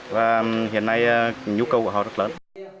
và hiện nay nhu cầu của họ rất lớn